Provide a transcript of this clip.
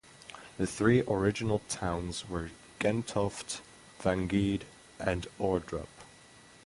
The three original towns were Gentofte, Vangede and Ordrup.